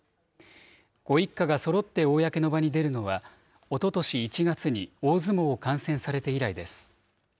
ご一家がそろって公の場に出るのは、おととし１月に大相撲を観戦されて以来です。